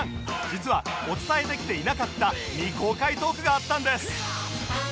実はお伝えできていなかった未公開トークがあったんです